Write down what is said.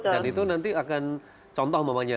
dan itu nanti akan contoh mamanya